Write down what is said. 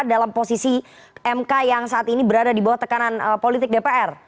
dalam posisi mk yang saat ini berada di bawah tekanan politik dpr